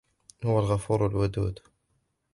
وهو الغفور الودود